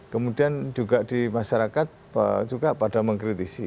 kemudian juga di masyarakat juga pada mengkritisi